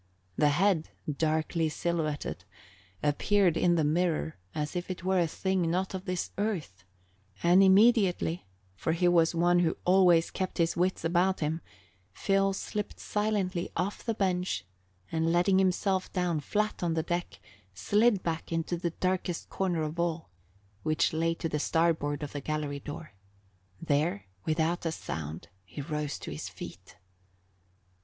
The head, darkly silhouetted, appeared in the mirror as if it were a thing not of this earth, and immediately, for he was one who always kept his wits about him, Phil slipped silently off the bench, and letting himself down flat on the deck, slid back into the darkest corner of all, which lay to the starboard of the gallery door. There, without a sound, he rose to his feet.